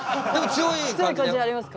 強い感じになりますか？